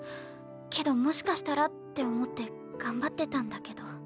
けどもしかしたらって思って頑張ってたんだけど。